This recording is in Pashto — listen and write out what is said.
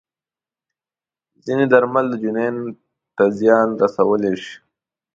ځینې درمل د جنین ته زیان رسولی شي.